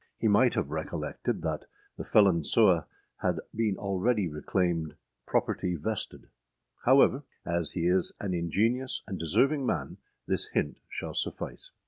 He might have recollected that The Felon Sewe had been already reclaimed property vested. However, as he is an ingenious and deserving man, this hint shall suffice.